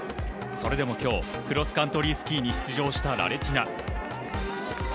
それでも今日クロスカントリースキーに出場したラレティナ。